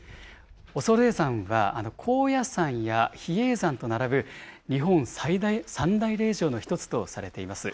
恐山は、高野山や比叡山と並ぶ、日本三大霊場の１つとされています。